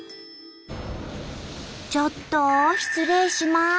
ちょっと失礼します！